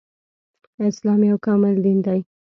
اسلام يو کامل دين دی